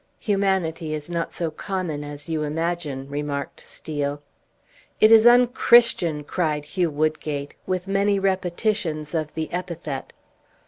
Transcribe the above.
"Humanity is not so common as you imagine," remarked Steel. "It is un Christian!" cried Hugh Woodgate, with many repetitions of the epithet.